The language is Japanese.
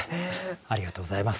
ありがとうございます。